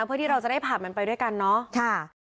เพื่อที่เราจะได้ผ่านมันไปด้วยกันเนาะ